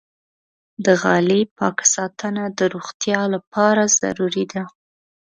د غالۍ پاک ساتنه د روغتیا لپاره ضروري ده.